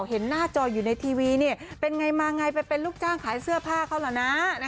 เห็นหน้าจออยู่ในทีวีเป็นไงมาไงไปเป็นลูกจ้างขายเสื้อผ้าเขาเหรอนะ